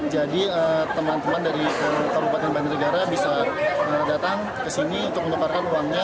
jadi teman teman dari kabupaten banjarnegara bisa datang ke sini untuk menukarkan uangnya